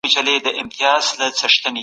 خلګ د کار موندلو هڅه کوي.